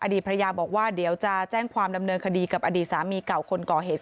ภรรยาบอกว่าเดี๋ยวจะแจ้งความดำเนินคดีกับอดีตสามีเก่าคนก่อเหตุ